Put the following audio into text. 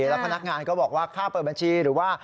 แล้วพนักงานก็บอกว่าค่าเปิดบัญชีหรือว่า